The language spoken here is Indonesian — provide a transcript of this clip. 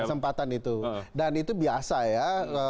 kesempatan itu dan itu biasa ya